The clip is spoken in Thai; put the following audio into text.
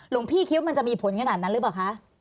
หลวงพี่คิดว่ามันจะมีผลขนาดนั้นหรือเปล่าคะ